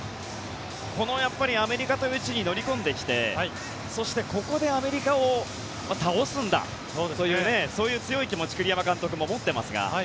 このアメリカという地に乗り込んできてそして、ここでアメリカを倒すんだというそういう強い気持ちを栗山監督も持っていますが。